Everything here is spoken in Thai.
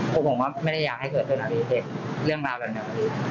ผมว่าไม่ได้ยากให้เขาแผ่นทางในเรื่องราวแบบนี้